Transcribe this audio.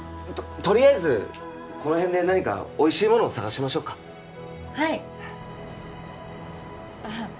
とりあえずこの辺で何かおいしいものを探しましょうかはいあっ